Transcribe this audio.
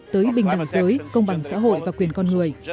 tới bình đẳng giới công bằng xã hội và quyền con người